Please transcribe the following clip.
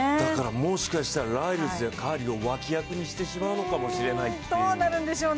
もしかしたらライルズやカーリーを脇役にしてしまうかもしれないっていう。